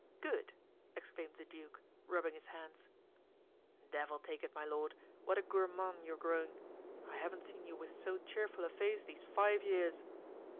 "Good!" exclaimed the duke, rubbing his hands. "Devil take it, my lord! what a gourmand you are growing; I haven't seen you with so cheerful a face these five years."